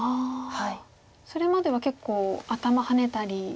それまでは結構頭ハネたり。